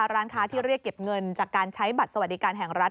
ร้านค้าที่เรียกเก็บเงินจากการใช้บัตรสวัสดิการแห่งรัฐ